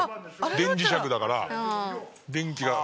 電磁石だから電気が切れれば。